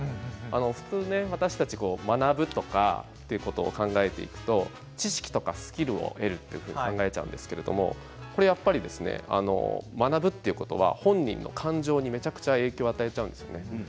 普通、私たち学ぶとかということを考えていくと知識とかスキルを得ることを考えてしまうんですけれどやっぱり学ぶということは本人感情にすごく影響を与えるんですね。